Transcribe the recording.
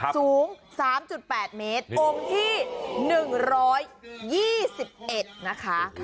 สูง๓๘เมตรองค์ที่๑๒๑นะคะ